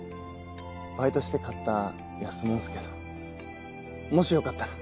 バイトして買った安もんすけどもしよかったら。